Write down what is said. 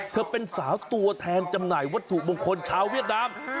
เธอเป็นสาวตัวแทนจำหน่ายวัตถุมงคลชาวเวียดนาม